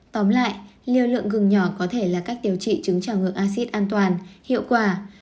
tóm lại lưu lượng gừng nhỏ có thể là cách tiêu trị chứng trào ngược acid an toàn hiệu quả